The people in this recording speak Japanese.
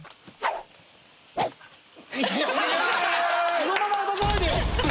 そのまま渡さないでよ！